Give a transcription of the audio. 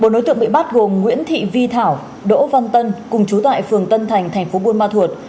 bốn đối tượng bị bắt gồm nguyễn thị vi thảo đỗ văn tân cùng chú tại phường tân thành thành phố buôn ma thuột